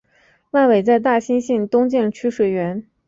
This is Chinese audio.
万炜在大兴县东建曲水园。